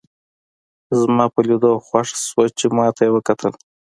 زما په لیدو خوښ شوه چې ما ته یې وکتل.